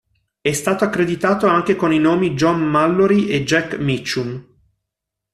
È stato accreditato anche con i nomi John Mallory e Jack Mitchum.